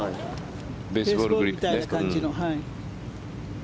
ベースボールグリップみたいな感じの。